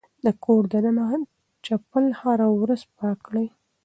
د کور دننه چپل هره ورځ پاک کړئ.